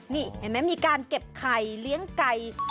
นี่เห็นไหมมีการเก็บไข่เลี้ยงไก่